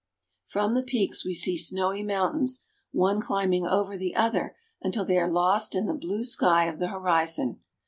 From the peaks we see snowy mountains, one climbing THE ALPS. 255 over the other until they are lost in the blue sky of the horizon.